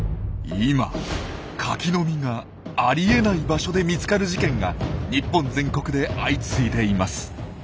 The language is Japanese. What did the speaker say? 今カキの実がありえない場所で見つかる事件が日本全国で相次いでいます。